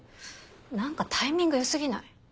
何かタイミング良過ぎない？